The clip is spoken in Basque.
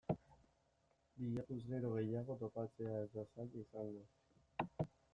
Bilatuz gero gehiago topatzea ez da zaila izango.